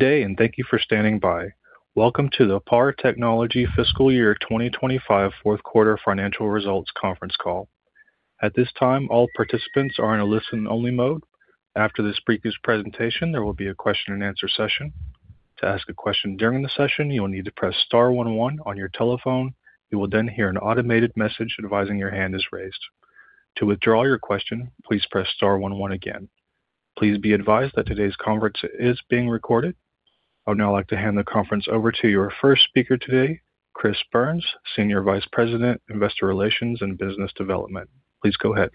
Good day, and thank you for standing by. Welcome to the PAR Technology fiscal year 2025 Q4 financial results conference call. At this time, all participants are in a listen only mode. After this previous presentation, there will be a question and answer session. To ask a question during the session, you will need to press star one one on your telephone. You will then hear an automated message advising your hand is raised. To withdraw your question, please press star one one again. Please be advised that today's conference is being recorded. I would now like to hand the conference over to your first speaker today, Christopher Byrnes, Senior Vice President, Investor Relations and Business Development. Please go ahead.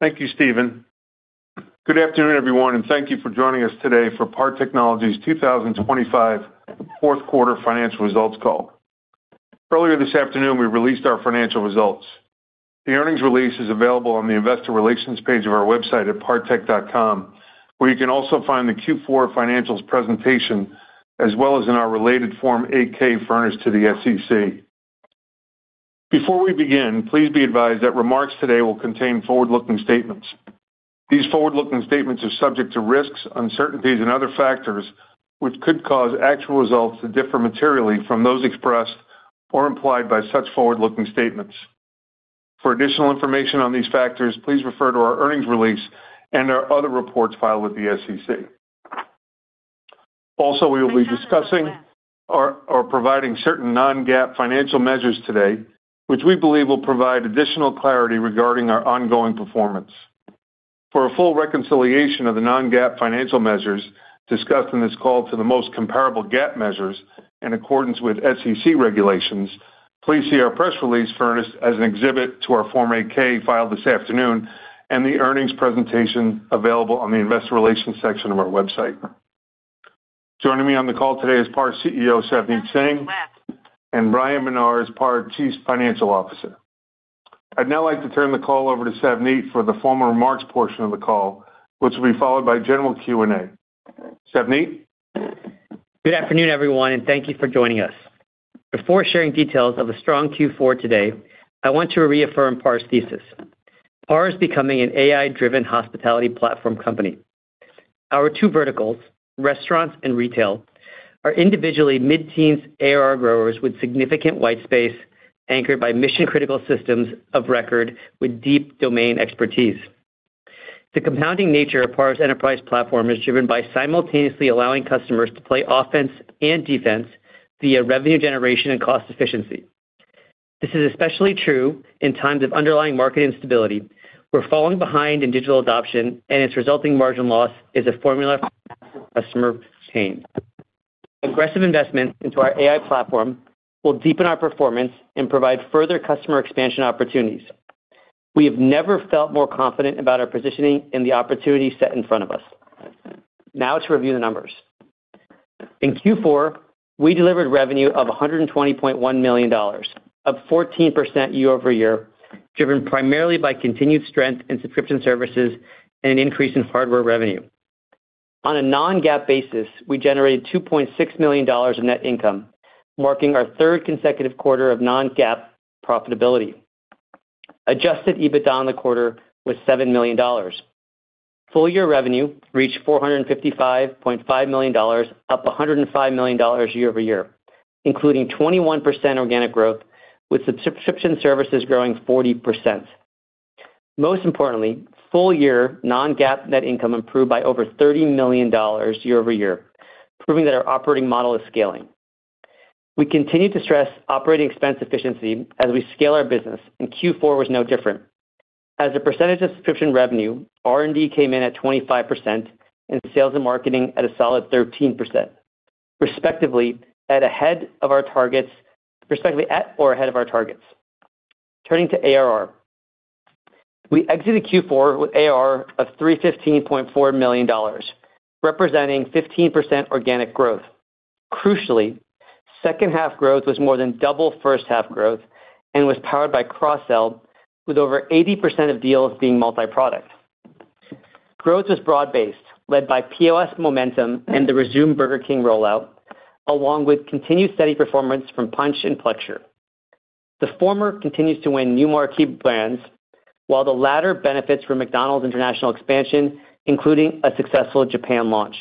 Thank you, Steven. Good afternoon, everyone, and thank you for joining us today for PAR Technology's 2025 Q4 financial results call. Earlier this afternoon, we released our financial results. The earnings release is available on the investor relations page of our website at partech.com, where you can also find the Q4 financials presentation, as well as in our related Form 8-K furnished to the SEC. Before we begin, please be advised that remarks today will contain forward-looking statements. These forward-looking statements are subject to risks, uncertainties and other factors which could cause actual results to differ materially from those expressed or implied by such forward-looking statements. For additional information on these factors, please refer to our earnings release and our other reports filed with the SEC. We will be discussing or providing certain non-GAAP financial measures today, which we believe will provide additional clarity regarding our ongoing performance. For a full reconciliation of the non-GAAP financial measures discussed in this call to the most comparable GAAP measures in accordance with SEC regulations, please see our press release furnished as an exhibit to our Form 8-K filed this afternoon and the earnings presentation available on the investor relations section of our website. Joining me on the call today is PAR CEO Savneet Singh and Bryan Menar is PAR's Chief Financial Officer. I'd now like to turn the call over to Savneet for the former remarks portion of the call, which will be followed by general Q&A. Savneet. Good afternoon, everyone, and thank you for joining us. Before sharing details of a strong Q4 today, I want to reaffirm PAR's thesis. PAR is becoming an AI-driven hospitality platform company. Our two verticals, restaurants and retail, are individually mid-teens ARR growers with significant white space anchored by mission-critical systems of record with deep domain expertise. The compounding nature of PAR's enterprise platform is driven by simultaneously allowing customers to play offense and defense via revenue generation and cost efficiency. This is especially true in times of underlying market instability, where falling behind in digital adoption and its resulting margin loss is a formula for customer change. Aggressive investment into our AI platform will deepen our performance and provide further customer expansion opportunities. We have never felt more confident about our positioning and the opportunities set in front of us. Now to review the numbers. In Q4, we delivered revenue of $120.1 million, up 14% year-over-year, driven primarily by continued strength in subscription services and an increase in hardware revenue. On a non-GAAP basis, we generated $2.6 million of net income, marking our third consecutive quarter of non-GAAP profitability. Adjusted EBITDA in the quarter was $7 million. Full year revenue reached $455.5 million, up $105 million year-over-year, including 21% organic growth, with subscription services growing 40%. Most importantly, full year non-GAAP net income improved by over $30 million year-over-year, proving that our operating model is scaling. We continue to stress operating expense efficiency as we scale our business, and Q4 was no different. As a percentage of subscription revenue, R&D came in at 25% and sales and marketing at a solid 13%, respectively at or ahead of our targets. Turning to ARR. We exited Q4 with ARR of $315.4 million, representing 15% organic growth. Crucially, second half growth was more than double first half growth and was powered by cross-sell, with over 80% of deals being multi-product. Growth was broad-based, led by POS momentum and the resumed Burger King rollout, along with continued steady performance from Punchh and Plexure. The former continues to win new marquee brands, while the latter benefits from McDonald's international expansion, including a successful Japan launch.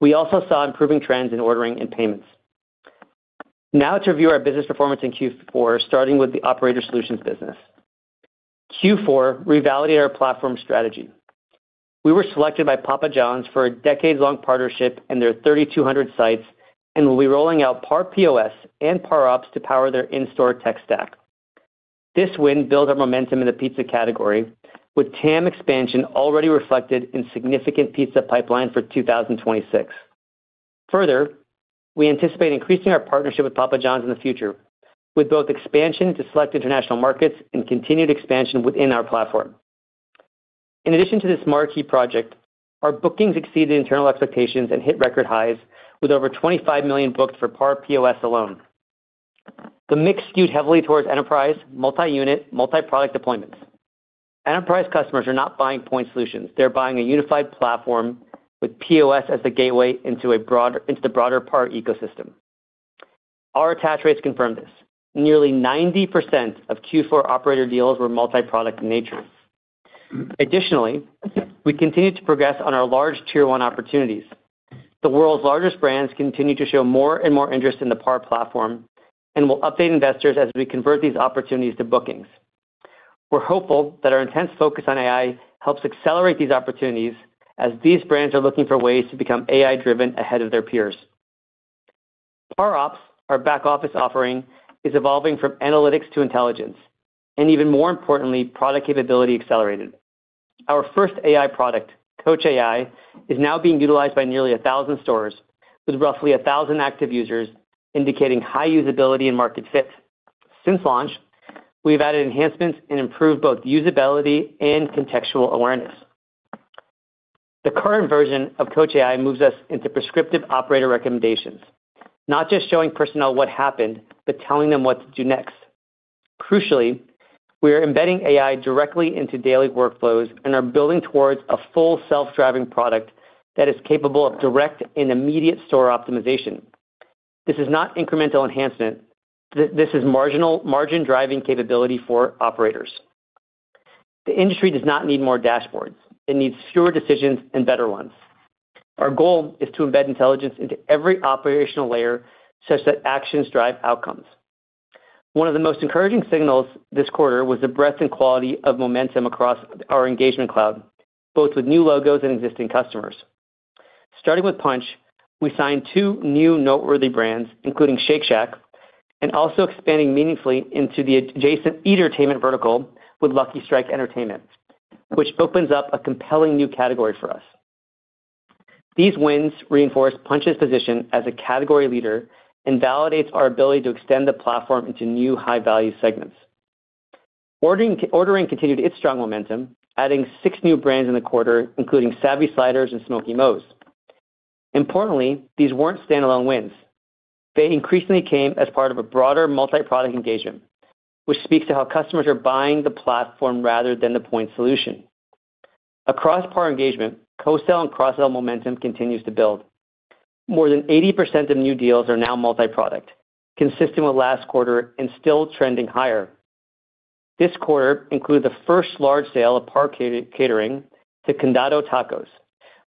We also saw improving trends in ordering and payments. To review our business performance in Q4, starting with the Operator Solutions business. Q4 revalidated our platform strategy. We were selected by Papa Johns for a decades-long partnership in their 3,200 sites. We'll be rolling out PAR POS and PAR OPS to power their in-store tech stack. This win builds our momentum in the pizza category, with TAM expansion already reflected in significant pizza pipeline for 2026. We anticipate increasing our partnership with Papa Johns in the future, with both expansion to select international markets and continued expansion within our platform. In addition to this marquee project, our bookings exceeded internal expectations and hit record highs, with over $25 million booked for PAR POS alone. The mix skewed heavily towards enterprise, multi-unit, multi-product deployments. Enterprise customers are not buying point solutions. They're buying a unified platform with POS as the gateway into the broader PAR ecosystem. Our attach rates confirm this. Nearly 90% of Q4 operator deals were multiproduct in nature. We continue to progress on our large tier one opportunities. The world's largest brands continue to show more and more interest in the PAR platform, and we'll update investors as we convert these opportunities to bookings. We're hopeful that our intense focus on AI helps accelerate these opportunities as these brands are looking for ways to become AI-driven ahead of their peers. PAR OPS, our back-office offering, is evolving from analytics to intelligence, and even more importantly, product capability accelerated. Our first AI product, Coach AI, is now being utilized by nearly 1,000 stores with roughly 1,000 active users, indicating high usability and market fit. Since launch, we've added enhancements and improved both usability and contextual awareness. The current version of Coach AI moves us into prescriptive operator recommendations, not just showing personnel what happened, but telling them what to do next. Crucially, we are embedding AI directly into daily workflows and are building towards a full self-driving product that is capable of direct and immediate store optimization. This is not incremental enhancement. This is margin-driving capability for operators. The industry does not need more dashboards. It needs fewer decisions and better ones. Our goal is to embed intelligence into every operational layer such that actions drive outcomes. One of the most encouraging signals this quarter was the breadth and quality of momentum across our Engagement Cloud, both with new logos and existing customers. Starting with Punchh, we signed two new noteworthy brands, including Shake Shack, and also expanding meaningfully into the adjacent eatertainment vertical with Lucky Strike Entertainment, which opens up a compelling new category for us. These wins reinforce Punchh's position as a category leader and validates our ability to extend the platform into new high-value segments. Ordering continued its strong momentum, adding six new brands in the quarter, including Savvy Sliders and Smokey Mo's. Importantly, these weren't standalone wins. They increasingly came as part of a broader multiproduct engagement, which speaks to how customers are buying the platform rather than the point solution. Across PAR Engagement, co-sell and cross-sell momentum continues to build. More than 80% of new deals are now multiproduct, consistent with last quarter and still trending higher. This quarter includes the first large sale of PAR Catering to Condado Tacos,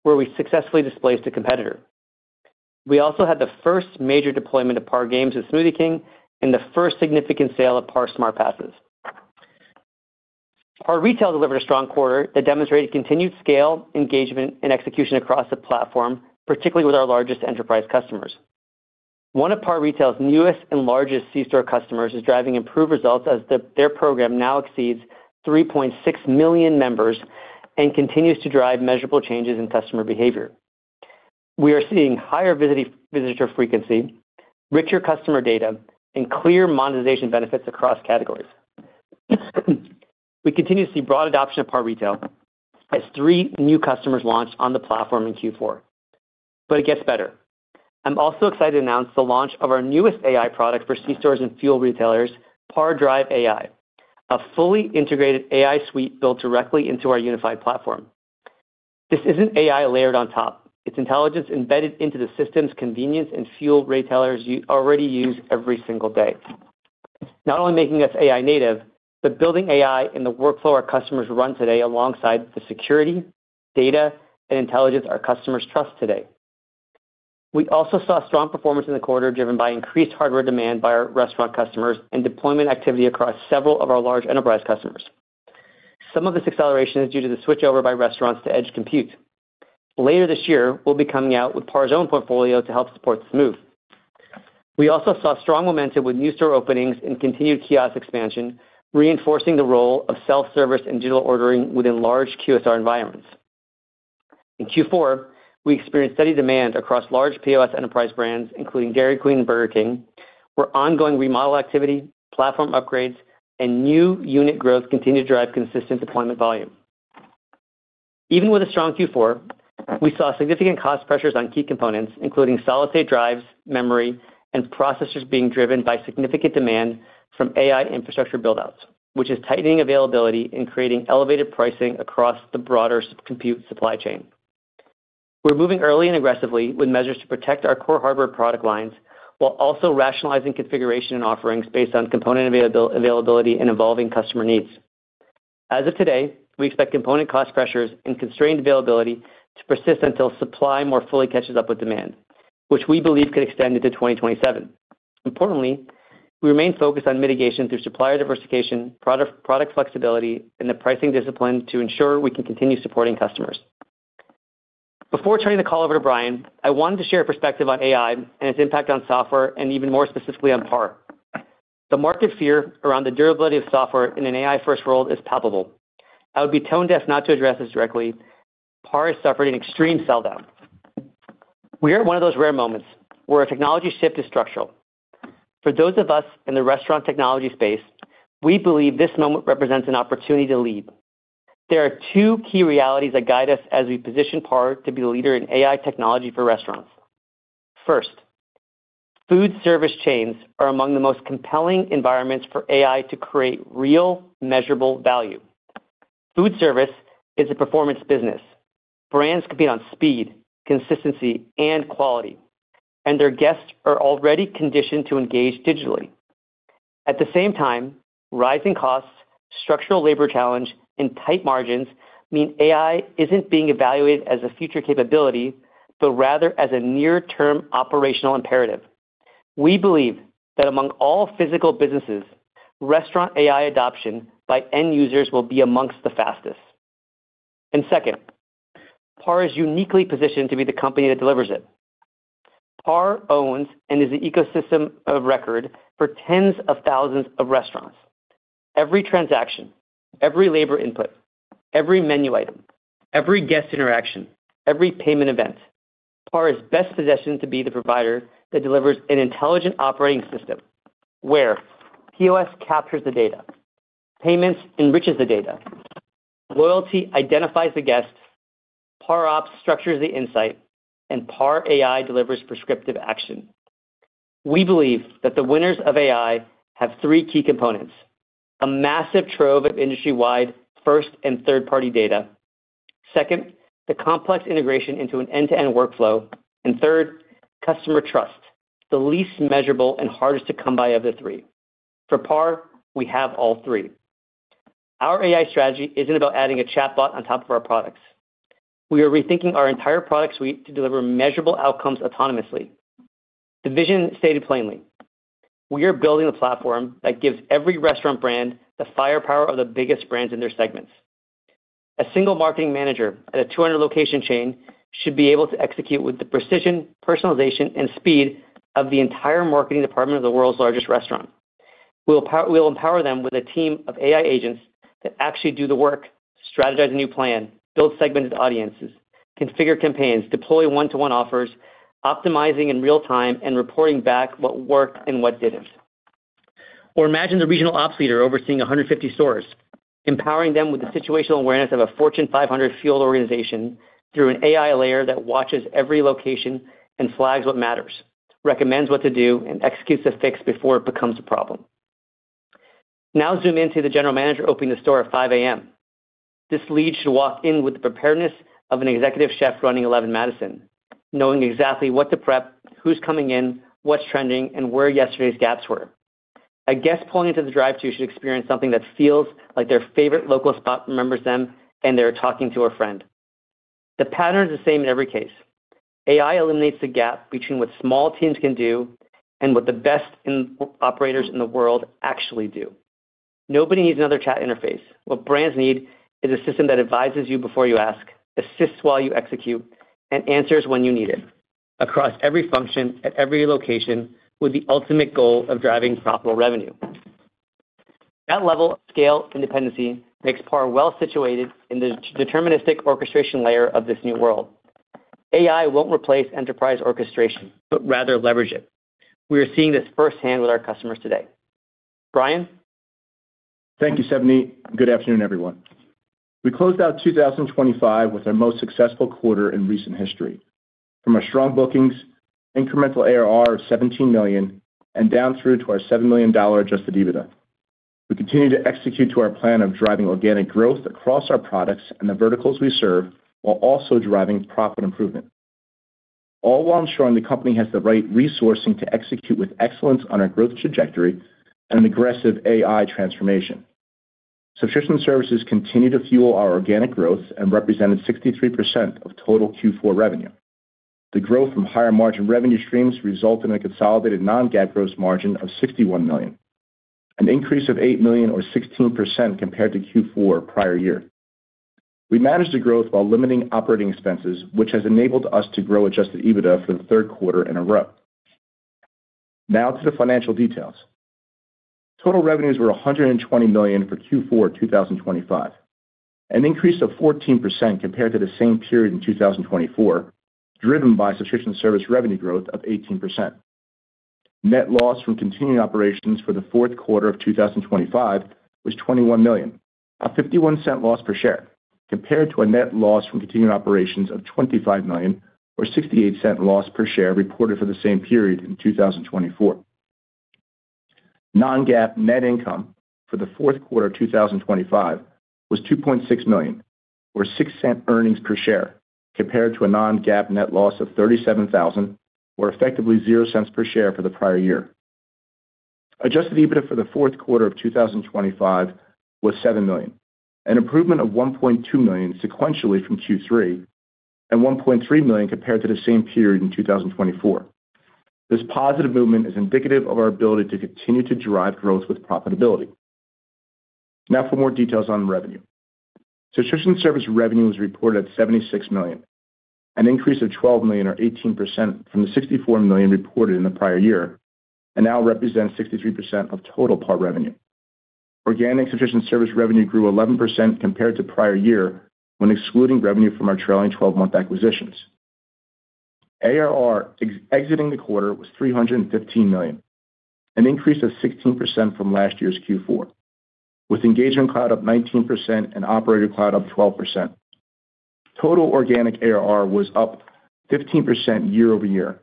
where we successfully displaced a competitor. We also had the first major deployment of PAR Games with Smoothie King and the first significant sale of PAR Smart Passes. PAR Retail delivered a strong quarter that demonstrated continued scale, engagement, and execution across the platform, particularly with our largest enterprise customers. One of PAR Retail's newest and largest C-store customers is driving improved results as their program now exceeds 3.6 million members and continues to drive measurable changes in customer behavior. We are seeing higher visitor frequency, richer customer data, and clear monetization benefits across categories. We continue to see broad adoption of PAR Retail as three new customers launched on the platform in Q4. It gets better. I'm also excited to announce the launch of our newest AI product for C-stores and fuel retailers, PAR Drive AI, a fully integrated AI suite built directly into our unified platform. This isn't AI layered on top. It's intelligence embedded into the systems, convenience, and fuel retailers already use every single day, not only making us AI native, but building AI in the workflow our customers run today alongside the security, data, and intelligence our customers trust today. We saw strong performance in the quarter driven by increased hardware demand by our restaurant customers and deployment activity across several of our large enterprise customers. Some of this acceleration is due to the switchover by restaurants to edge compute. Later this year, we'll be coming out with PAR's own portfolio to help support smooth. We also saw strong momentum with new store openings and continued kiosk expansion, reinforcing the role of self-service and digital ordering within large QSR environments. In Q4, we experienced steady demand across large POS enterprise brands, including Dairy Queen and Burger King, where ongoing remodel activity, platform upgrades, and new unit growth continue to drive consistent deployment volume. Even with a strong Q4, we saw significant cost pressures on key components, including solid state drives, memory, and processors being driven by significant demand from AI infrastructure build-outs, which is tightening availability and creating elevated pricing across the broader sub compute supply chain. We're moving early and aggressively with measures to protect our core hardware product lines while also rationalizing configuration and offerings based on component availability and evolving customer needs. As of today, we expect component cost pressures and constrained availability to persist until supply more fully catches up with demand, which we believe could extend into 2027. Importantly, we remain focused on mitigation through supplier diversification, product flexibility, and the pricing discipline to ensure we can continue supporting customers. Before turning the call over to Bryan, I wanted to share a perspective on AI and its impact on software, and even more specifically on PAR. The market fear around the durability of software in an AI-first world is palpable. I would be tone deaf not to address this directly. PAR is suffering an extreme sell-down. We are at one of those rare moments where a technology shift is structural. For those of us in the restaurant technology space, we believe this moment represents an opportunity to lead. There are two key realities that guide us as we position PAR to be the leader in AI technology for restaurants. First, foodservice chains are among the most compelling environments for AI to create real, measurable value. Foodservice is a performance business. Brands compete on speed, consistency and quality, and their guests are already conditioned to engage digitally. At the same time, rising costs, structural labor challenge, and tight margins mean AI isn't being evaluated as a future capability, but rather as a near-term operational imperative. We believe that among all physical businesses, restaurant AI adoption by end users will be amongst the fastest. Second, PAR is uniquely positioned to be the company that delivers it. PAR owns and is the ecosystem of record for tens of thousands of restaurants. Every transaction, every labor input, every menu item, every guest interaction, every payment event. PAR is best positioned to be the provider that delivers an intelligent operating system where POS captures the data, payments enriches the data, loyalty identifies the guests, PAR OPS structures the insight, and PAR AI delivers prescriptive action. We believe that the winners of AI have 3 key components, a massive trove of industry-wide first and third-party data. Second, the complex integration into an end-to-end workflow. Third, customer trust, the least measurable and hardest to come by of the 3. For PAR, we have all 3. Our AI strategy isn't about adding a chatbot on top of our products. We are rethinking our entire product suite to deliver measurable outcomes autonomously. The vision stated plainly, we are building a platform that gives every restaurant brand the firepower of the biggest brands in their segments. A single marketing manager at a 200 location chain should be able to execute with the precision, personalization, and speed of the entire marketing department of the world's largest restaurant. We'll empower them with a team of AI agents to actually do the work, strategize a new plan, build segmented audiences, configure campaigns, deploy one-to-one offers, optimizing in real time, and reporting back what worked and what didn't. Imagine the regional ops leader overseeing 150 stores, empowering them with the situational awareness of a Fortune 500 field organization through an AI layer that watches every location and flags what matters, recommends what to do, and executes the fix before it becomes a problem. Zoom in to the general manager opening the store at 5:00 A.M. This lead should walk in with the preparedness of an executive chef running Eleven Madison, knowing exactly what to prep, who's coming in, what's trending, and where yesterday's gaps were. A guest pulling into the drive-thru should experience something that feels like their favorite local spot remembers them, and they're talking to a friend. The pattern is the same in every case. AI eliminates the gap between what small teams can do and what the best operators in the world actually do. Nobody needs another chat interface. What brands need is a system that advises you before you ask, assists while you execute, and answers when you need it across every function at every location with the ultimate goal of driving profitable revenue. That level of scale independency makes PAR well situated in the deterministic orchestration layer of this new world. AI won't replace enterprise orchestration, but rather leverage it. We are seeing this firsthand with our customers today. Bryan. Thank you, Savneet. Good afternoon, everyone. We closed out 2025 with our most successful quarter in recent history. From our strong bookings, incremental ARR of $17 million, and down through to our $7 million adjusted EBITDA. We continue to execute to our plan of driving organic growth across our products and the verticals we serve, while also driving profit improvement. All while ensuring the company has the right resourcing to execute with excellence on our growth trajectory and an aggressive AI transformation. Subscription services continue to fuel our organic growth and represented 63% of total Q4 revenue. The growth from higher margin revenue streams result in a consolidated non-GAAP gross margin of $61 million, an increase of $8 million or 16% compared to Q4 prior year. We managed the growth while limiting operating expenses, which has enabled us to grow adjusted EBITDA for the Q3 in a row. To the financial details. Total revenues were $120 million for Q4 2025, an increase of 14% compared to the same period in 2024, driven by subscription service revenue growth of 18%. Net loss from continuing operations for the Q4 of 2025 was $21 million, a $0.51 loss per share, compared to a net loss from continuing operations of $25 million or $0.68 loss per share reported for the same period in 2024. Non-GAAP net income for the Q4 of 2025 was $2.6 million or $0.06 earnings per share, compared to a non-GAAP net loss of $37,000 or effectively $0.00 per share for the prior year. Adjusted EBITDA for the Q4 of 2025 was $7 million, an improvement of $1.2 million sequentially from Q3 and $1.3 million compared to the same period in 2024. This positive movement is indicative of our ability to continue to drive growth with profitability. For more details on revenue. Subscription service revenue was reported at $76 million, an increase of $12 million or 18% from the $64 million reported in the prior year, and now represents 63% of total PAR revenue. Organic subscription service revenue grew 11% compared to prior year when excluding revenue from our trailing twelve-month acquisitions. ARR exiting the quarter was $315 million, an increase of 16% from last year's Q4, with Engagement Cloud up 19% and Operator Cloud up 12%. Total organic ARR was up 15% year-over-year.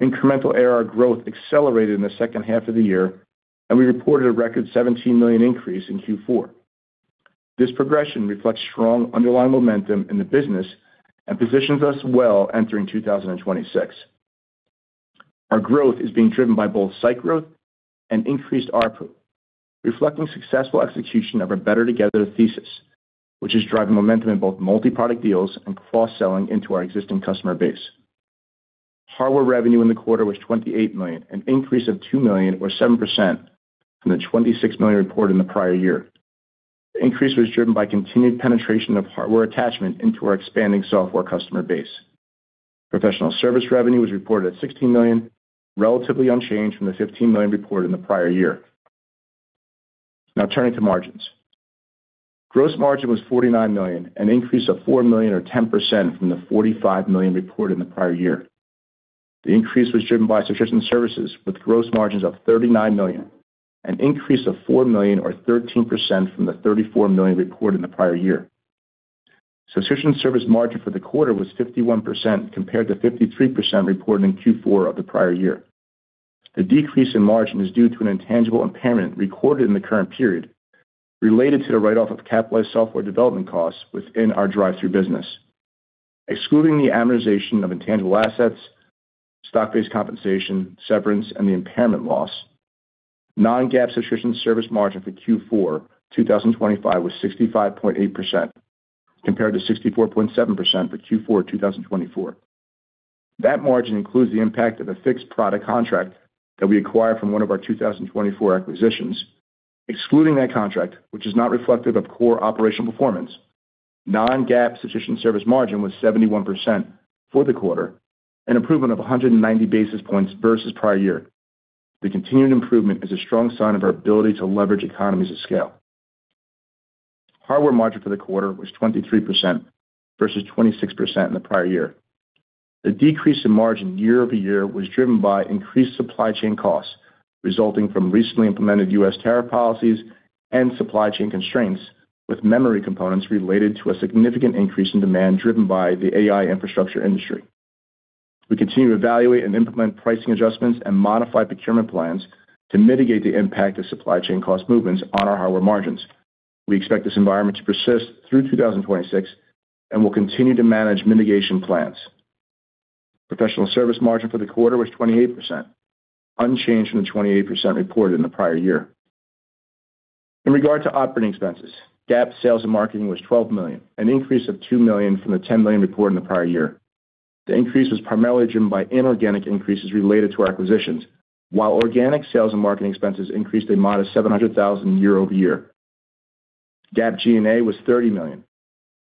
Incremental ARR growth accelerated in the second half of the year, and we reported a record $17 million increase in Q4. This progression reflects strong underlying momentum in the business and positions us well entering 2026. Our growth is being driven by both site growth and increased ARPU, reflecting successful execution of our better together thesis, which is driving momentum in both multi-product deals and cross-selling into our existing customer base. Hardware revenue in the quarter was $28 million, an increase of $2 million or 7% from the $26 million reported in the prior year. The increase was driven by continued penetration of hardware attachment into our expanding software customer base. Professional service revenue was reported at $16 million, relatively unchanged from the $15 million reported in the prior year. Now turning to margins. Gross margin was $49 million, an increase of $4 million or 10% from the $45 million reported in the prior year. The increase was driven by subscription services with gross margins of $39 million, an increase of $4 million or 13% from the $34 million reported in the prior year. Subscription service margin for the quarter was 51% compared to 53% reported in Q4 of the prior year. The decrease in margin is due to an intangible impairment recorded in the current period related to the write-off of capitalized software development costs within our drive-thru business. Excluding the amortization of intangible assets, stock-based compensation, severance, and the impairment loss, non-GAAP subscription service margin for Q4 2025 was 65.8% compared to 64.7% for Q4 2024. That margin includes the impact of a fixed product contract that we acquired from one of our 2024 acquisitions. Excluding that contract, which is not reflective of core operational performance, non-GAAP subscription service margin was 71% for the quarter, an improvement of 190 basis points versus prior year. The continued improvement is a strong sign of our ability to leverage economies of scale. Hardware margin for the quarter was 23% versus 26% in the prior year. The decrease in margin year-over-year was driven by increased supply chain costs resulting from recently implemented U.S. tariff policies and supply chain constraints, with memory components related to a significant increase in demand driven by the AI infrastructure industry. We continue to evaluate and implement pricing adjustments and modify procurement plans to mitigate the impact of supply chain cost movements on our hardware margins. We expect this environment to persist through 2026 and will continue to manage mitigation plans. Professional service margin for the quarter was 28%, unchanged from the 28% reported in the prior year. In regard to operating expenses, GAAP sales and marketing was $12 million, an increase of $2 million from the $10 million reported in the prior year. The increase was primarily driven by inorganic increases related to our acquisitions, while organic sales and marketing expenses increased a modest $700,000 year-over-year. GAAP G&A was $30 million,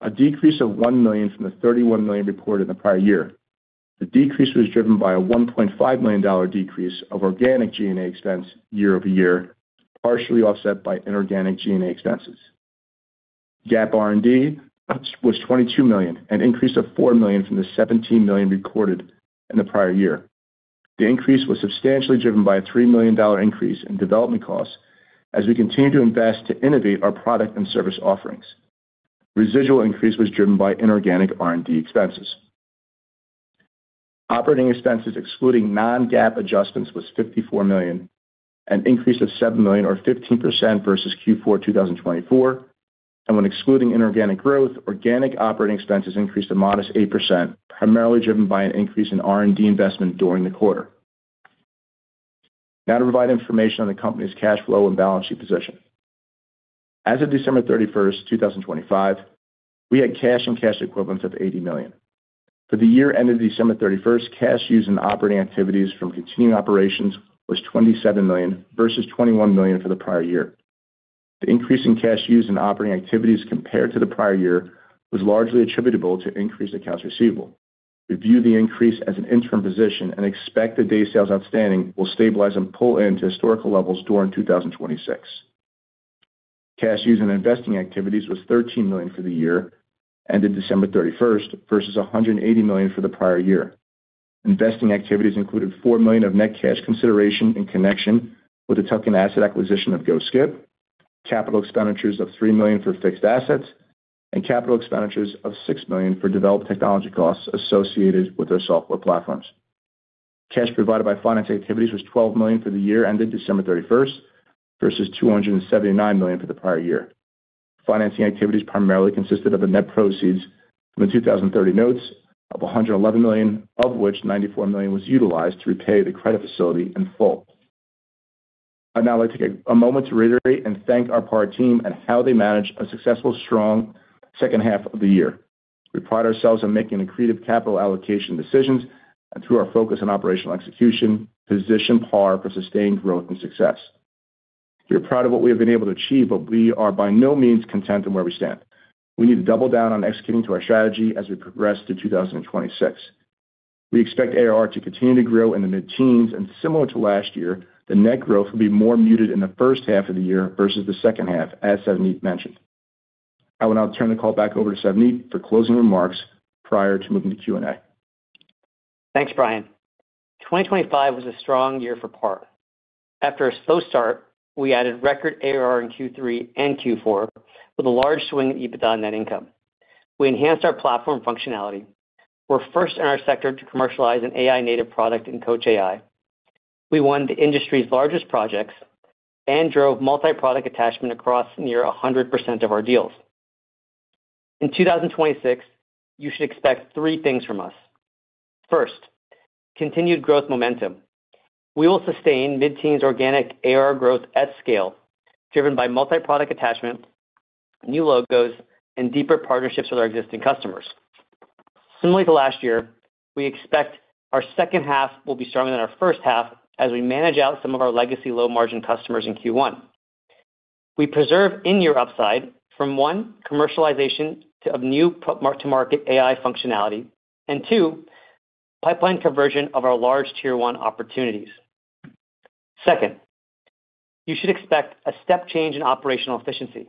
a decrease of $1 million from the $31 million reported in the prior year. The decrease was driven by a $1.5 million decrease of organic G&A expense year-over-year, partially offset by inorganic G&A expenses. GAAP R&D was $22 million, an increase of $4 million from the $17 million recorded in the prior year. The increase was substantially driven by a $3 million increase in development costs as we continue to invest to innovate our product and service offerings. Residual increase was driven by inorganic R&D expenses. Operating expenses excluding non-GAAP adjustments was $54 million, an increase of $7 million or 15% versus Q4 2024. When excluding inorganic growth, organic operating expenses increased a modest 8%, primarily driven by an increase in R&D investment during the quarter. Now to provide information on the company's cash flow and balance sheet position. As of December 31st, 2025, we had cash and cash equivalents of $80 million. For the year ended December 31st, cash used in operating activities from continuing operations was $27 million versus $21 million for the prior year. The increase in cash used in operating activities compared to the prior year was largely attributable to increased accounts receivable. We view the increase as an interim position and expect the day sales outstanding will stabilize and pull in to historical levels during 2026. Cash used in investing activities was $13 million for the year ended December 31st versus $180 million for the prior year. Investing activities included $4 million of net cash consideration in connection with the tuck-in asset acquisition of GoSkip, capital expenditures of $3 million for fixed assets, and capital expenditures of $6 million for developed technology costs associated with our software platforms. Cash provided by financing activities was $12 million for the year ended December 31st versus $279 million for the prior year. Financing activities primarily consisted of the net proceeds from the Convertible Senior Notes due 2030 of $111 million, of which $94 million was utilized to repay the credit facility in full. I'd now like to take a moment to reiterate and thank our PAR team on how they managed a successful strong second half of the year. We pride ourselves on making accretive capital allocation decisions and through our focus on operational execution, position PAR for sustained growth and success. We are proud of what we have been able to achieve. We are by no means content in where we stand. We need to double down on executing to our strategy as we progress to 2026. We expect ARR to continue to grow in the mid-teens. Similar to last year, the net growth will be more muted in the first half of the year versus the second half, as Savneet mentioned. I will now turn the call back over to Savneet for closing remarks prior to moving to Q&A. Thanks, Bryan. 2025 was a strong year for PAR. After a slow start, we added record ARR in Q3 and Q4 with a large swing in EBITDA net income. We enhanced our platform functionality. We're first in our sector to commercialize an AI-native product in Coach AI. We won the industry's largest projects and drove multi-product attachment across near 100% of our deals. In 2026, you should expect 3 things from us. Continued growth momentum. We will sustain mid-teens organic ARR growth at scale, driven by multi-product attachment, new logos, and deeper partnerships with our existing customers. Similarly to last year, we expect our second half will be stronger than our first half as we manage out some of our legacy low-margin customers in Q1. We preserve in-year upside from, one, commercialization of new to market AI functionality and, two, pipeline conversion of our large tier one opportunities. Second, you should expect a step change in operational efficiency.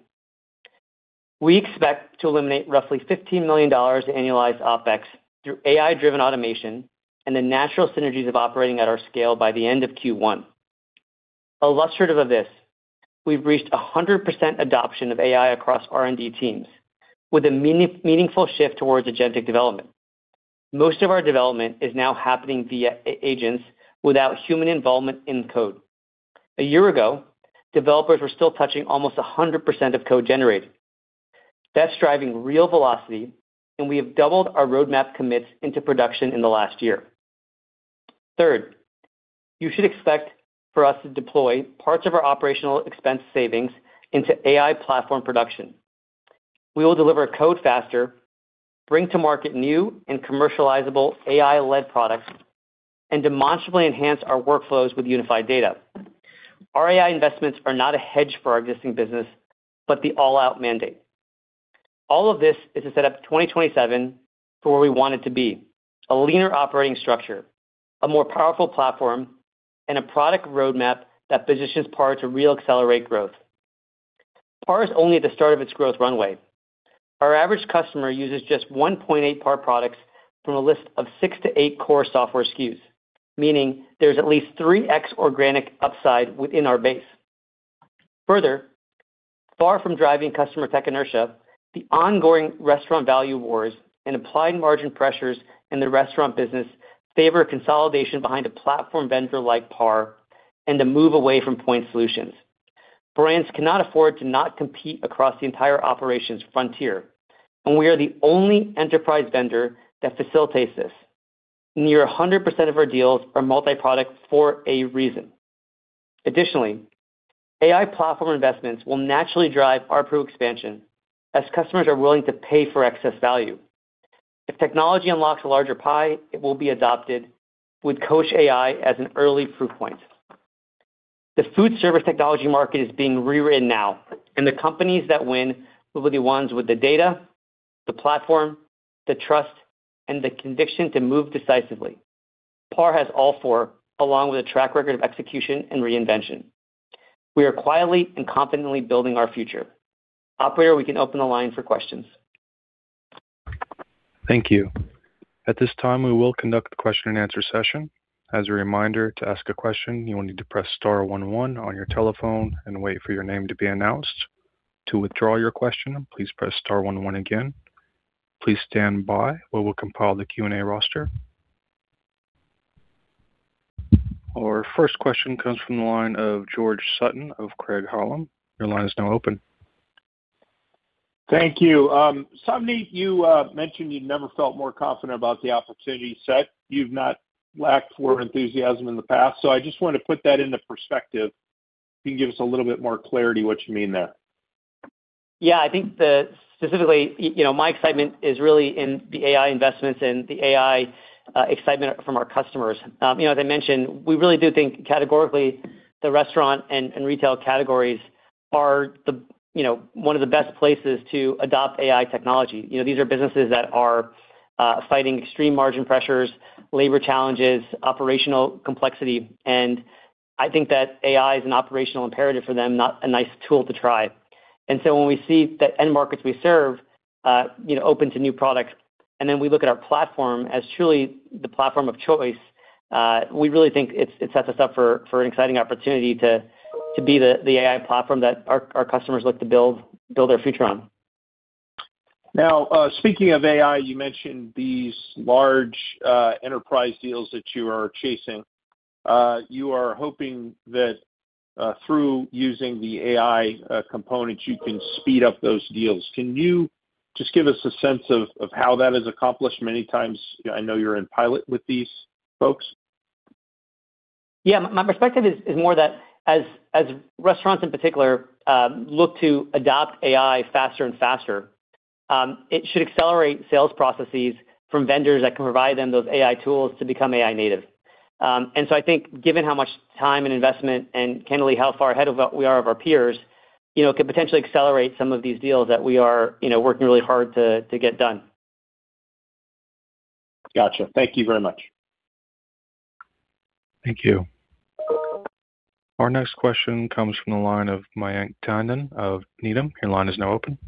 We expect to eliminate roughly $15 million annualized OpEx through AI-driven automation and the natural synergies of operating at our scale by the end of Q1. Illustrative of this, we've reached 100% adoption of AI across R&D teams with a meaningful shift towards agentic development. Most of our development is now happening via agents without human involvement in code. A year ago, developers were still touching almost 100% of code generated. That's driving real velocity, and we have doubled our roadmap commits into production in the last year. Third, you should expect for us to deploy parts of our operational expense savings into AI platform production. We will deliver code faster, bring to market new and commercializable AI-led products, and demonstrably enhance our workflows with unified data. Our AI investments are not a hedge for our existing business, but the all-out mandate. All of this is to set up 2027 for where we want it to be, a leaner operating structure, a more powerful platform, and a product roadmap that positions PAR to re-accelerate growth. PAR is only at the start of its growth runway. Our average customer uses just 1.8 PAR products from a list of 6 to 8 core software SKUs, meaning there's at least 3x organic upside within our base. Far from driving customer tech inertia, the ongoing restaurant value wars and applied margin pressures in the restaurant business favor consolidation behind a platform vendor like PAR and to move away from point solutions. Brands cannot afford to not compete across the entire operations frontier. We are the only enterprise vendor that facilitates this. Near 100% of our deals are multi-product for a reason. Additionally, AI platform investments will naturally drive RP expansion as customers are willing to pay for excess value. If technology unlocks a larger pie, it will be adopted with Coach AI as an early proof point. The food service technology market is being rewritten now. The companies that win will be the ones with the data, the platform, the trust, and the conviction to move decisively. PAR has all four, along with a track record of execution and reinvention. We are quietly and confidently building our future. Operator, we can open the line for questions. Thank you. At this time, we will conduct the question and answer session. As a reminder, to ask a question, you will need to press star one one on your telephone and wait for your name to be announced. To withdraw your question, please press star one one again. Please stand by. We will compile the Q&A roster. Our first question comes from the line of George Sutton of Craig-Hallum. Your line is now open. Thank you. Savneet, you mentioned you never felt more confident about the opportunity set. You've not lacked for enthusiasm in the past. I just wanted to put that into perspective. Can you give us a little bit more clarity what you mean there? Yeah. I think specifically, you know, my excitement is really in the AI investments and the AI excitement from our customers. You know, as I mentioned, we really do think categorically the restaurant and retail categories are the one of the best places to adopt AI technology. You know, these are businesses that are fighting extreme margin pressures, labor challenges, operational complexity, and I think that AI is an operational imperative for them, not a nice tool to try. When we see the end markets we serve, you know, open to new products, and then we look at our platform as truly the platform of choice, we really think it sets us up for an exciting opportunity to be the AI platform that our customers look to build their future on. Speaking of AI, you mentioned these large, enterprise deals that you are chasing. You are hoping that, through using the AI, components, you can speed up those deals. Can you just give us a sense of how that is accomplished? Many times, you know, I know you're in pilot with these folks. Yeah. My perspective is more that as restaurants in particular, look to adopt AI faster and faster, it should accelerate sales processes from vendors that can provide them those AI tools to become AI native. I think given how much time and investment and candidly how far ahead of we are of our peers, you know, it could potentially accelerate some of these deals that we are, you know, working really hard to get done. Gotcha. Thank you very much. Thank you. Our next question comes from the line of Mayank Tandon of Needham. Your line is now open.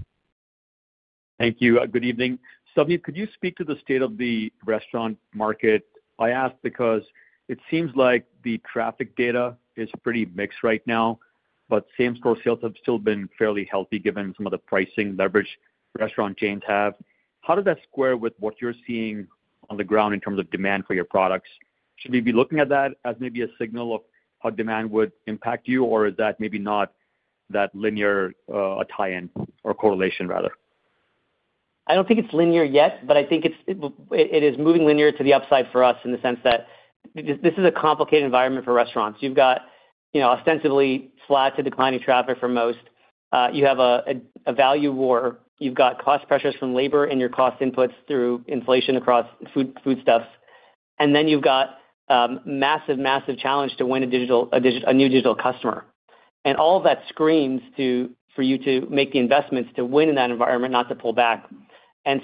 Thank you. Good evening. Savi, could you speak to the state of the restaurant market? I ask because it seems like the traffic data is pretty mixed right now, but same-store sales have still been fairly healthy given some of the pricing leverage restaurant chains have. How does that square with what you're seeing on the ground in terms of demand for your products? Should we be looking at that as maybe a signal of how demand would impact you? Or is that maybe not that linear, a tie-in or correlation, rather? I don't think it's linear yet, but I think it's, it is moving linear to the upside for us in the sense that this is a complicated environment for restaurants. You've got, you know, ostensibly flat to declining traffic for most. You have a value war. You've got cost pressures from labor and your cost inputs through inflation across food stuffs. Then you've got massive challenge to win a new digital customer. All of that screams for you to make the investments to win in that environment, not to pull back.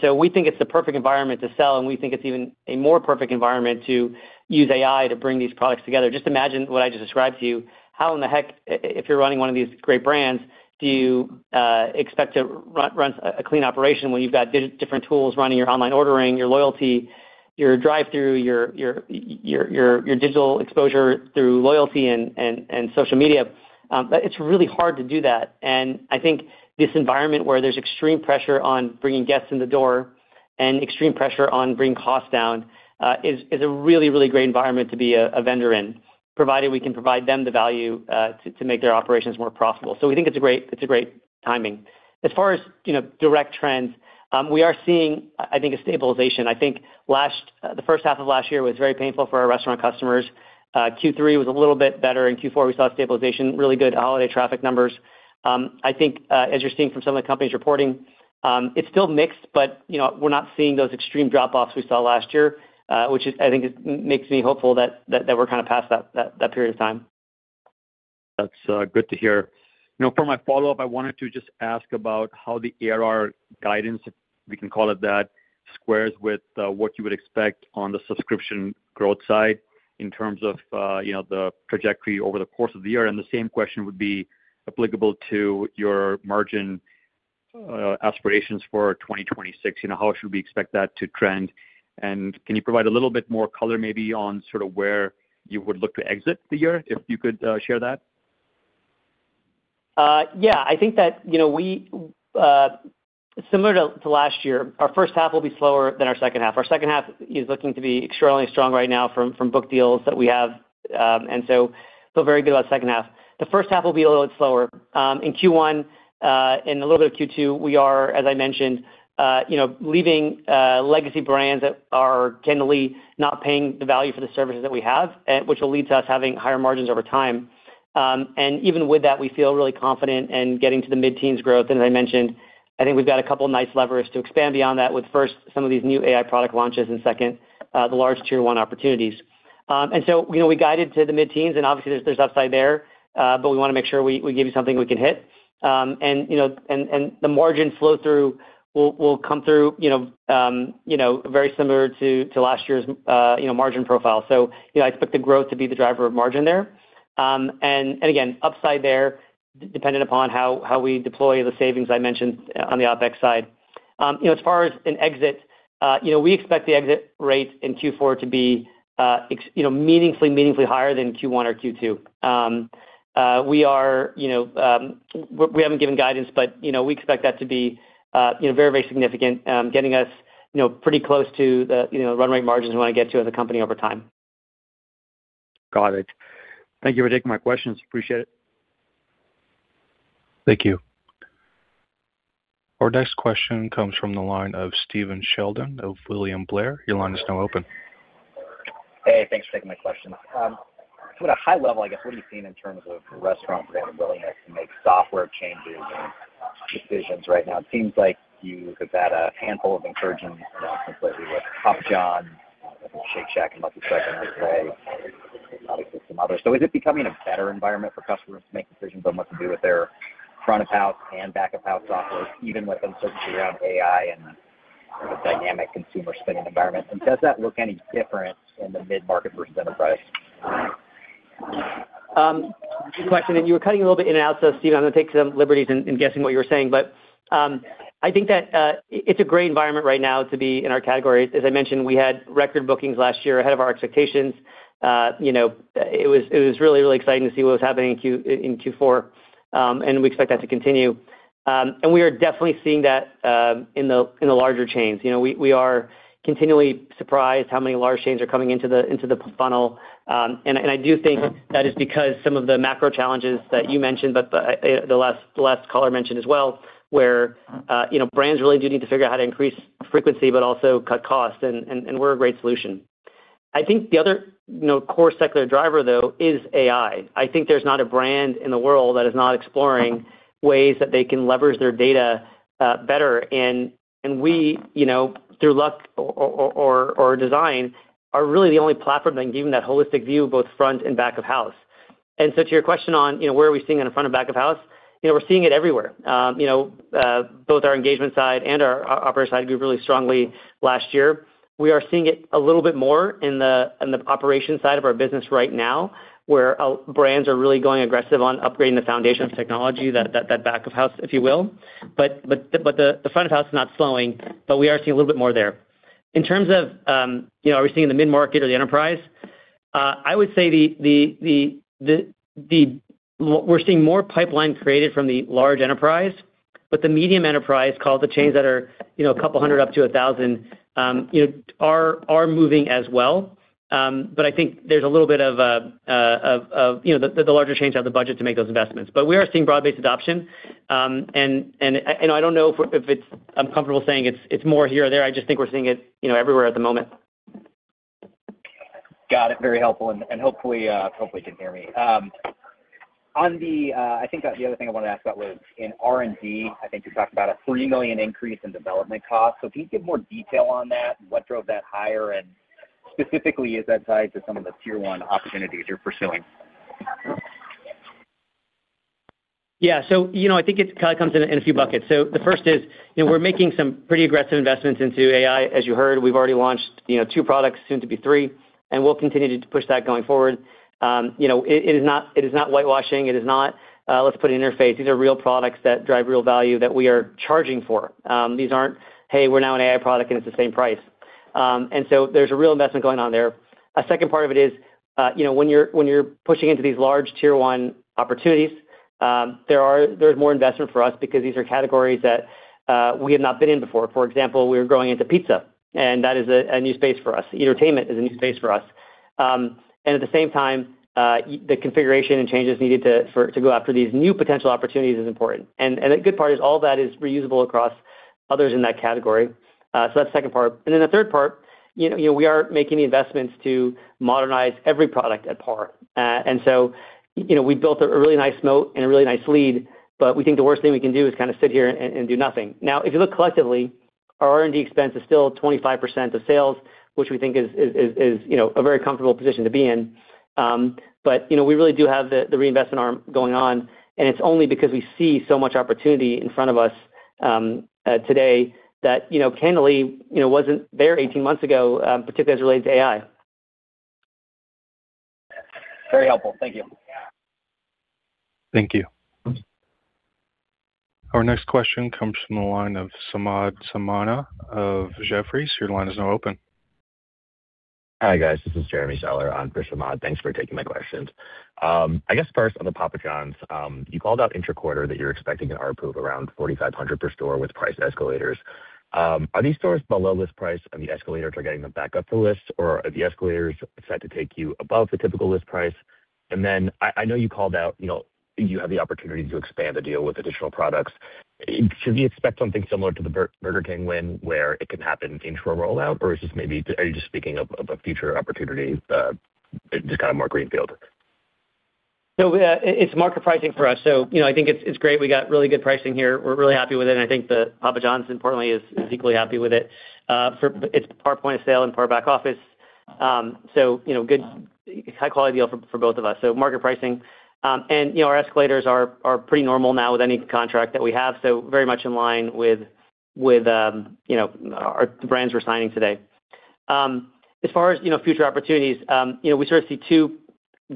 So we think it's the perfect environment to sell, and we think it's even a more perfect environment to use AI to bring these products together. Just imagine what I just described to you. How in the heck, if you're running one of these great brands, do you expect to run a clean operation when you've got different tools running your online ordering, your loyalty, your drive-thru, your digital exposure through loyalty and social media? It's really hard to do that. I think this environment where there's extreme pressure on bringing guests in the door and extreme pressure on bringing costs down, is a really, really great environment to be a vendor in, provided we can provide them the value to make their operations more profitable. We think it's a great, it's a great timing. As far as, you know, direct trends, we are seeing, I think, a stabilization. I think last the first half of last year was very painful for our restaurant customers. Q3 was a little bit better. In Q4, we saw stabilization, really good holiday traffic numbers. I think, as you're seeing from some of the companies reporting, it's still mixed, but you know, we're not seeing those extreme drop-offs we saw last year, which is, I think makes me hopeful that we're kind of past that period of time. That's good to hear. You know, for my follow-up, I wanted to just ask about how the ARR guidance, if we can call it that, squares with what you would expect on the subscription growth side in terms of, you know, the trajectory over the course of the year. The same question would be applicable to your margin aspirations for 2026. You know, how should we expect that to trend? Can you provide a little bit more color maybe on sort of where you would look to exit the year, if you could share that? Yeah. I think that, you know, we, similar to last year, our first half will be slower than our second half. Our second half is looking to be extraordinarily strong right now from book deals that we have. So, feel very good about second half. The first half will be a little bit slower. In Q1, and a little bit of Q2, we are, as I mentioned, you know, leaving legacy brands that are generally not paying the value for the services that we have, which will lead to us having higher margins over time. Even with that, we feel really confident in getting to the mid-teens growth. As I mentioned, I think we've got a couple of nice levers to expand beyond that with, first, some of these new AI product launches and second, the large tier one opportunities. You know, we guided to the mid-teens, and obviously there's upside there, but we wanna make sure we give you something we can hit. And, you know, the margin flow through will come through, you know, very similar to last year's margin profile. You know, I expect the growth to be the driver of margin there. And again, upside there, dependent upon how we deploy the savings I mentioned on the OpEx side. You know, as far as an exit, you know, we expect the exit rates in Q4 to be, you know, meaningfully higher than Q1 or Q2. We are, you know, we haven't given guidance, but, you know, we expect that to be, you know, very significant, getting us, you know, pretty close to the, you know, run rate margins we wanna get to as a company over time. Got it. Thank you for taking my questions. Appreciate it. Thank you. Our next question comes from the line of Stephen Sheldon of William Blair. Your line is now open. Hey, thanks for taking my questions. From a high level, I guess, what are you seeing in terms of restaurant brand willingness to make software changes and decisions right now? It seems like you have had a handful of insurgents, you know, completely with Papa Johns, Shake Shack, and Buffalo Wild Wings, obviously some others. Is it becoming a better environment for customers to make decisions on what to do with their front of house and back of house software, even with uncertainty around AI and the dynamic consumer spending environment? Does that look any different in the mid-market versus enterprise? Good question. You were cutting a little bit in and out, so Steven, I'm gonna take some liberties in guessing what you were saying. I think that it's a great environment right now to be in our category. As I mentioned, we had record bookings last year ahead of our expectations. you know, it was really exciting to see what was happening in Q4, and we expect that to continue. We are definitely seeing that in the larger chains. You know, we are continually surprised how many large chains are coming into the funnel. And I do think that is because some of the macro challenges that you mentioned, but the last caller mentioned as well, where, you know, brands really do need to figure out how to increase frequency but also cut costs, and we're a great solution. I think the other, you know, core secular driver, though, is AI. I think there's not a brand in the world that is not exploring ways that they can leverage their data better. And we, you know, through luck or design, are really the only platform that can give them that holistic view of both front and back of house. To your question on, you know, where are we seeing it in front and back of house, you know, we're seeing it everywhere. You know, both our Engagement side and our Operator side grew really strongly last year. We are seeing it a little bit more in the operations side of our business right now, where brands are really going aggressive on upgrading the foundation of technology, that back of house, if you will. The front of house is not slowing, but we are seeing a little bit more there. In terms of, you know, are we seeing the mid-market or the enterprise? I would say we're seeing more pipeline created from the large enterprise, but the medium enterprise, call it the chains that are, you know, a couple 100 up to 1,000, you know, are moving as well. I think there's a little bit of, you know, the larger chains have the budget to make those investments. We are seeing broad-based adoption, I don't know if it's... I'm comfortable saying it's more here or there. I just think we're seeing it, you know, everywhere at the moment. Got it. Very helpful. Hopefully, you can hear me. I think the other thing I wanted to ask about was in R&D. I think you talked about a $3 million increase in development costs. Can you give more detail on that, what drove that higher? Specifically, is that tied to some of the tier one opportunities you're pursuing? Yeah. You know, I think it kind of comes in a few buckets. The first is, you know, we're making some pretty aggressive investments into AI. As you heard, we've already launched, you know, two products, soon to be three, and we'll continue to push that going forward. You know, it is not, it is not whitewashing. It is not, let's put an interface. These are real products that drive real value that we are charging for. These aren't, "Hey, we're now an AI product, and it's the same price." There's a real investment going on there. A second part of it is, you know, when you're, when you're pushing into these large tier one opportunities, there's more investment for us because these are categories that we have not been in before. For example, we are growing into pizza, and that is a new space for us. Entertainment is a new space for us. At the same time, y- the configuration and changes needed to go after these new potential opportunities is important. The good part is all that is reusable across others in that category. That's the second part. Then the third part, you know, you know, we are making the investments to modernize every product at PAR. So, you know, we built a really nice moat and a really nice lead, but we think the worst thing we can do is kind of sit here and do nothing. Now, if you look collectively, our R&D expense is still 25% of sales, which we think is, you know, a very comfortable position to be in. You know, we really do have the reinvestment arm going on, and it's only because we see so much opportunity in front of us, today that, you know, candidly, you know, wasn't there 18 months ago, particularly as it relates to AI. Very helpful. Thank you. Thank you. Our next question comes from the line of Samad Samana of Jefferies. Your line is now open. Hi, guys. This is Jeremy Sellers on for Samad. Thanks for taking my questions. I guess first on the Papa John's, you called out intra-quarter that you're expecting an ARPU of around $4,500 per store with price escalators. Are these stores below list price and the escalators are getting them back up to list, or are the escalators set to take you above the typical list price? I know you called out, you know, you have the opportunity to expand the deal with additional products. Should we expect something similar to the Burger King win where it can happen in trim rollout, or are you just speaking of a future opportunity, just kind of more greenfield? It's market pricing for us. You know, I think it's great. We got really good pricing here. We're really happy with it, and I think the Papa John's importantly is equally happy with it. It's PAR POS and PAR OPS. You know, good high quality deal for both of us. Market pricing. You know, our escalators are pretty normal now with any contract that we have, so very much in line with the brands we're signing today. As far as, you know, future opportunities, you know, we sort of see two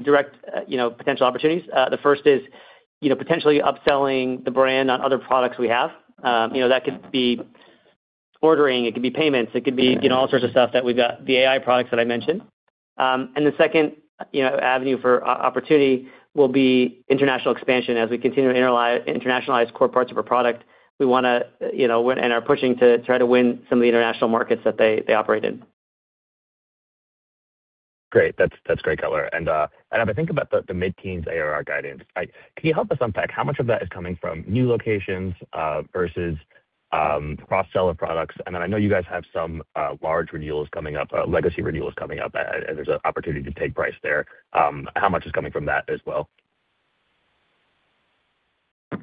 direct, you know, potential opportunities. The first is, you know, potentially upselling the brand on other products we have. You know, that could be ordering, it could be payments, it could be, you know, all sorts of stuff that we've got, the AI products that I mentioned. The second, you know, avenue for opportunity will be international expansion. As we continue to internationalize core parts of our product, we wanna, you know, win and are pushing to try to win some of the international markets that they operate in. Great. That's, that's great color. If I think about the mid-teens ARR guidance, can you help us unpack how much of that is coming from new locations versus cross-sell of products? Then I know you guys have some large renewals coming up, legacy renewals coming up, and there's an opportunity to take price there. How much is coming from that as well?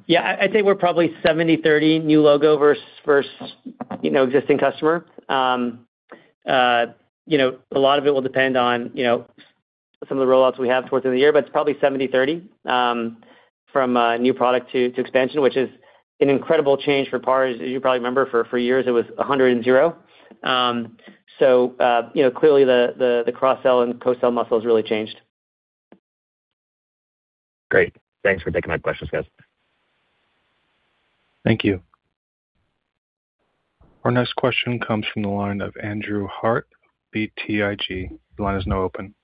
Yeah. I'd say we're probably 70/30 new logo versus, you know, existing customer. you know, a lot of it will depend on, you know, some of the rollouts we have towards the end of the year, but it's probably 70/30 from new product to expansion, which is an incredible change for PAR. As you probably remember, for years it was 100 and 0. you know, clearly the cross-sell and co-sell muscle has really changed. Great. Thanks for taking my questions, guys. Thank you. Our next question comes from the line of Andrew Harte, BTIG. The line is now open.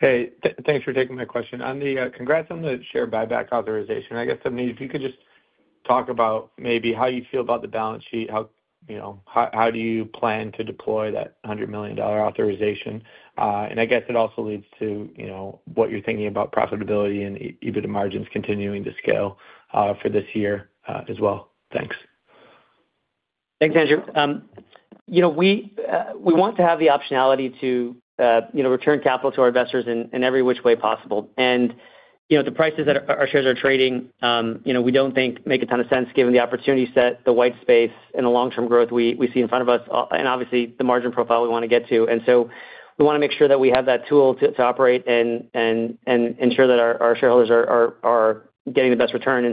Hey, thanks for taking my question. On the, congrats on the share buyback authorization. I guess, I mean, if you could just talk about maybe how you feel about the balance sheet, how, you know, how do you plan to deploy that $100 million authorization? I guess it also leads to, you know, what you're thinking about profitability and EBITDA margins continuing to scale for this year, as well. Thanks. Thanks, Andrew. you know, we want to have the optionality to, you know, return capital to our investors in every which way possible. The prices that our shares are trading, you know, we don't think make a ton of sense given the opportunity set, the white space and the long-term growth we see in front of us, and obviously the margin profile we wanna get to. We wanna make sure that we have that tool to operate and ensure that our shareholders are getting the best return.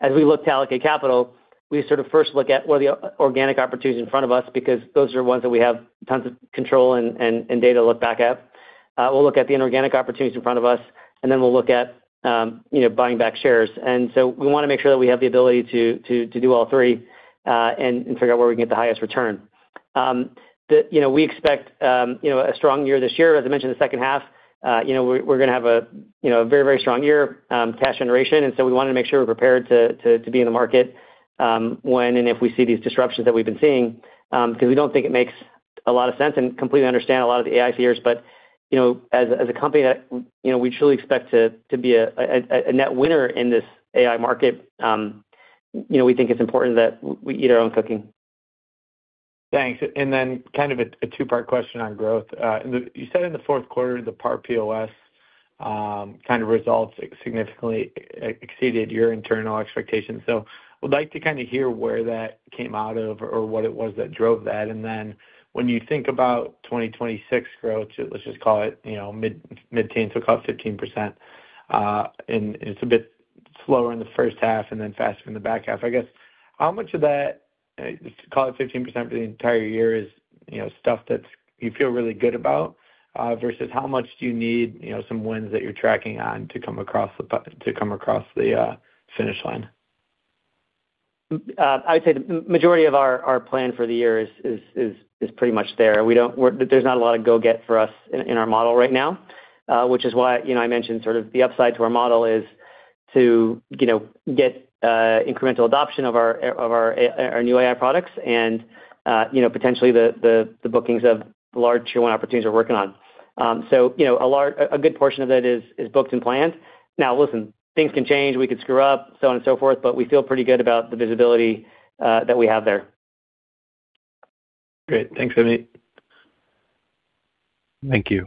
As we look to allocate capital. We sort of first look at what are the organic opportunities in front of us because those are ones that we have tons of control and data to look back at. We'll look at the inorganic opportunities in front of us, and then we'll look at, you know, buying back shares. We wanna make sure that we have the ability to do all three, and figure out where we can get the highest return. You know, we expect, you know, a strong year this year. As I mentioned, the second half, you know, we're gonna have a, you know, a very, very strong year, cash generation, and so we wanna make sure we're prepared to be in the market, when and if we see these disruptions that we've been seeing, 'cause we don't think it makes a lot of sense and completely understand a lot of the AI fears. you know, as a company that, you know, we truly expect to be a net winner in this AI market, you know, we think it's important that we eat our own cooking. Thanks. Kind of a two-part question on growth. You said in the Q4, the PAR POS, kind of results significantly exceeded your internal expectations. Would like to kinda hear where that came out of or what it was that drove that. When you think about 2026 growth, let's just call it, you know, mid-teen, so call it 15%, and it's a bit slower in the first half and then faster in the back half. I guess, how much of that, just call it 15% for the entire year, is, you know, stuff that's you feel really good about, versus how much do you need, you know, some wins that you're tracking on to come across the finish line? I would say the majority of our plan for the year is pretty much there. There's not a lot of go get for us in our model right now, which is why, you know, I mentioned sort of the upside to our model is to, you know, get incremental adoption of our new AI products and, you know, potentially the bookings of the larger one opportunities we're working on. You know, a good portion of that is booked and planned. Listen, things can change, we could screw up, so on and so forth, but we feel pretty good about the visibility that we have there. Great. Thanks, Savneet. Thank you.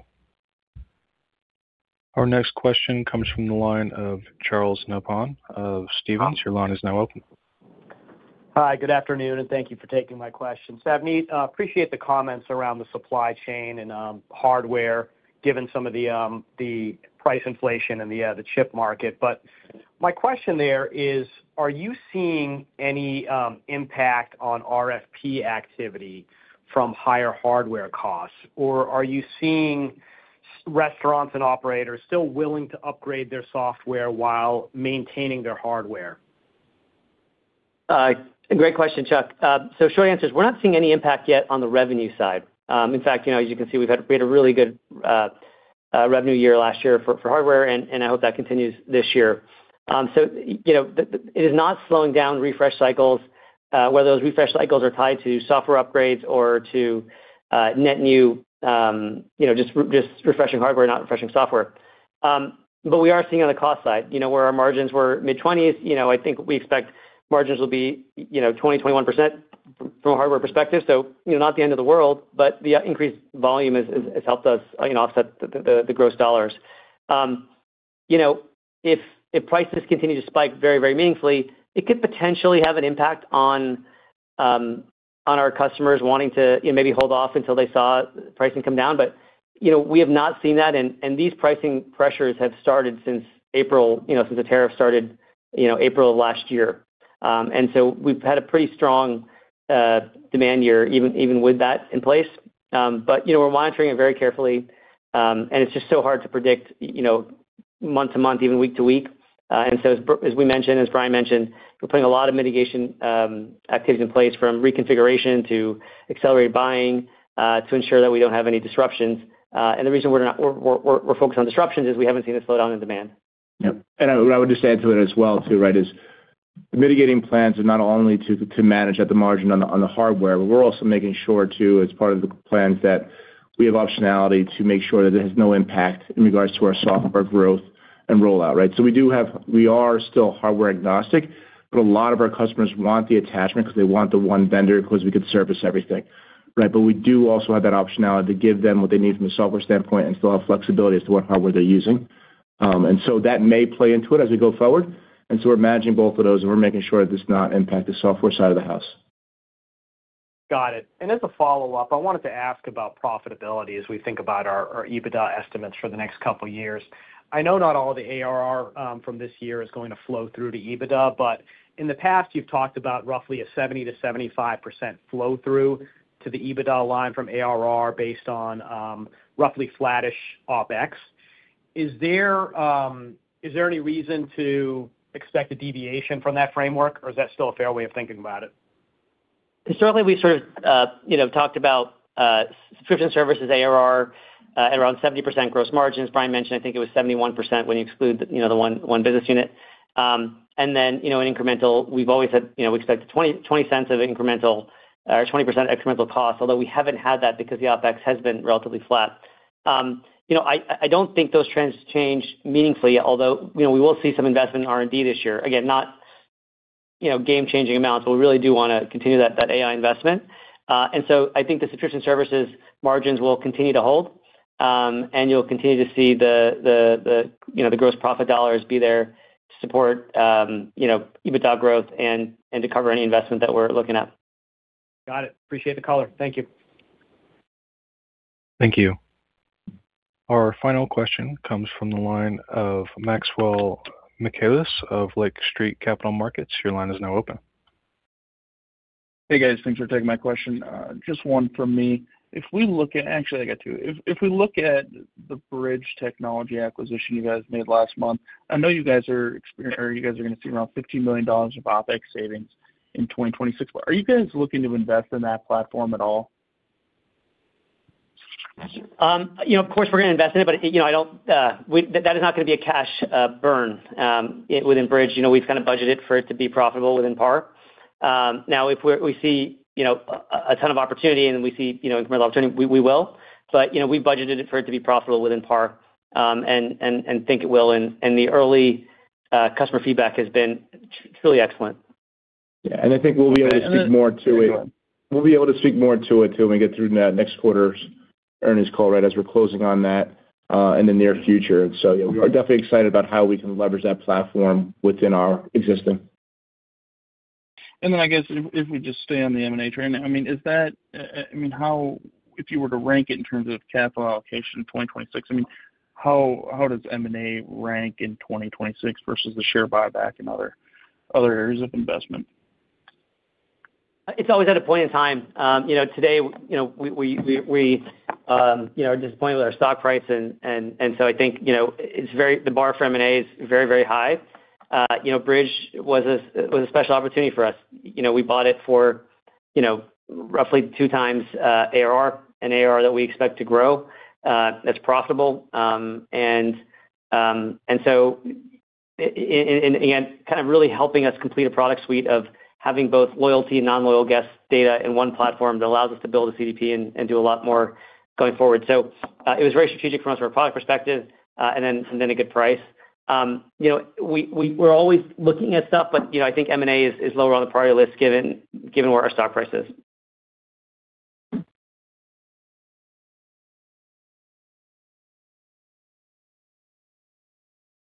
Our next question comes from the line of Charles Nabhan of Stephens. Your line is now open. Hi, good afternoon, and thank you for taking my question. Savneet, appreciate the comments around the supply chain and hardware, given some of the the price inflation in the chip market. My question there is, are you seeing any impact on RFP activity from higher hardware costs? Are you seeing restaurants and operators still willing to upgrade their software while maintaining their hardware? Great question, Charles. Short answer is, we're not seeing any impact yet on the revenue side. In fact, you know, as you can see, we've had a really good revenue year last year for hardware, and I hope that continues this year. You know, the it is not slowing down refresh cycles, whether those refresh cycles are tied to software upgrades or to net new, you know, just refreshing hardware, not refreshing software. We are seeing on the cost side, you know, where our margins were mid-20s, you know, I think we expect margins will be, you know, 20%, 21% from a hardware perspective, so, you know, not the end of the world, but the increased volume has helped us, you know, offset the gross U.S. dollars. You know, if prices continue to spike very, very meaningfully, it could potentially have an impact on our customers wanting to, you know, maybe hold off until they saw pricing come down. You know, we have not seen that, and these pricing pressures have started since April, you know, since the tariff started, you know, April of last year. So we've had a pretty strong demand year even with that in place. You know, we're monitoring it very carefully, and it's just so hard to predict, you know, month to month, even week to week. So as we mentioned, as Bryan mentioned, we're putting a lot of mitigation activities in place, from reconfiguration to accelerated buying to ensure that we don't have any disruptions. The reason we're focused on disruptions is we haven't seen a slowdown in demand. Yep. I would just add to it as well, too, right, is mitigating plans is not only to manage at the margin on the hardware, but we're also making sure, too, as part of the plans, that we have optionality to make sure that it has no impact in regards to our software growth and rollout, right? We are still hardware agnostic, but a lot of our customers want the attachment because they want the one vendor because we could service everything, right? We do also have that optionality to give them what they need from a software standpoint and still have flexibility as to what hardware they're using. That may play into it as we go forward. We're managing both of those, we're making sure that does not impact the software side of the house. Got it. As a follow-up, I wanted to ask about profitability as we think about our EBITDA estimates for the next couple years. I know not all the ARR from this year is going to flow through to EBITDA, but in the past, you've talked about roughly a 70%-75% flow through to the EBITDA line from ARR based on roughly flattish OpEx. Is there any reason to expect a deviation from that framework, or is that still a fair way of thinking about it? Certainly, we sort of, you know, talked about subscription services ARR, at around 70% gross margin. As Bryan mentioned, I think it was 71% when you exclude, you know, the one business unit. In incremental, we've always said, you know, we expect 20 cents of incremental or 20% incremental cost, although we haven't had that because the OpEx has been relatively flat. I don't think those trends change meaningfully, although, you know, we will see some investment in R&D this year. Again, not, you know, game-changing amounts, but we really do wanna continue that AI investment. I think the subscription services margins will continue to hold, and you'll continue to see the, you know, the gross profit dollars be there to support, you know, EBITDA growth and to cover any investment that we're looking at. Got it. Appreciate the color. Thank you. Thank you. Our final question comes from the line of Max Michaelis of Lake Street Capital Markets. Your line is now open. Hey, guys. Thanks for taking my question. Just one from me. Actually I got two. If we look at the Bridg acquisition you guys made last month, I know you guys are gonna see around $15 million of OpEx savings in 2026. Are you guys looking to invest in that platform at all? You know, of course we're gonna invest in it, but, you know, I don't, that is not gonna be a cash burn within Bridg. You know, we've kinda budgeted for it to be profitable within par. Now, if we see, you know, a ton of opportunity and we see, you know, incremental opportunity, we will. You know, we budgeted it for it to be profitable within par, and think it will. The early customer feedback has been truly excellent. Yeah. I think we'll be able to speak more to it. We'll be able to speak more to it till we get through that next quarter's earnings call, right? As we're closing on that, in the near future. You know, we are definitely excited about how we can leverage that platform within our existing. I guess if we just stay on the M&A train, I mean, is that, I mean, if you were to rank it in terms of capital allocation in 2026, I mean, how does M&A rank in 2026 versus the share buyback and other areas of investment? It's always at a point in time. You know, today, you know, we are disappointed with our stock price and so I think, you know, the bar for M&A is very, very high. You know, Bridg was a special opportunity for us. You know, we bought it for, you know, roughly 2 times ARR, an ARR that we expect to grow that's profitable. And again, kind of really helping us complete a product suite of having both loyalty and non-loyal guest data in one platform that allows us to build a CDP and do a lot more going forward. It was very strategic from us from a product perspective and then a good price. You know, we're always looking at stuff, but, you know, I think M&A is lower on the priority list given where our stock price is.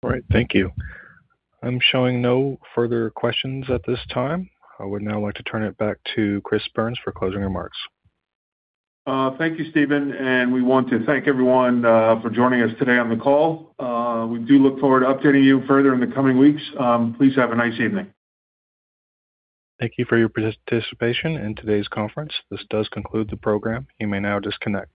All right. Thank you. I'm showing no further questions at this time. I would now like to turn it back to Christopher Byrnes for closing remarks. Thank you, Steven. We want to thank everyone for joining us today on the call. We do look forward to updating you further in the coming weeks. Please have a nice evening. Thank you for your participation in today's conference. This does conclude the program. You may now disconnect.